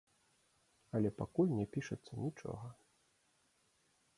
Але пакуль не пішацца нічога.